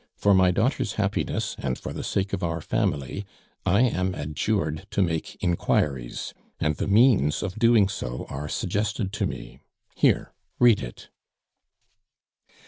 For my daughter's happiness, and for the sake of our family, I am adjured to make inquiries, and the means of doing so are suggested to me. Here, read it."